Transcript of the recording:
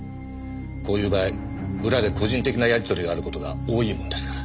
こういう場合裏で個人的なやり取りがある事が多いものですから。